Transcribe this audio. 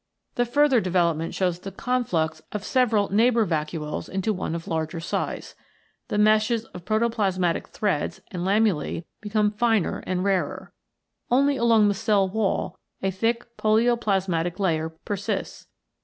The further development shows the conflux of several neigh bour vacuoles to one of larger size. The meshes of 54 CYTOPLASM AND NUCLEUS protoplasmatic threads and lamellae become finer and rarer. Only along the cell wall a thick polioplasmatic layer persists.